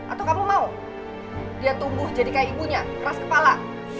atau kamu mau dia tumbuh jadi kayak ibunya keras kepala